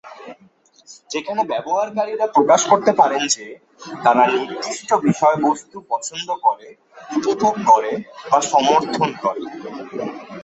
যেখানে ব্যবহারকারীরা প্রকাশ করতে পারেন যে, তারা নির্দিষ্ট বিষয়বস্তু পছন্দ করে, উপভোগ করে বা সমর্থন করে।